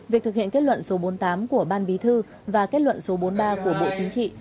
việc thực hiện kết luận số bốn mươi tám của ban bí thư và kết luận số bốn mươi ba của bộ chính trị